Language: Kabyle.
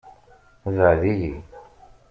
Bɛed-iyi.